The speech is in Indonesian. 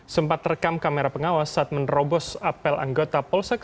sempat rekam kamera pengawas saat menerobos apel anggota polsek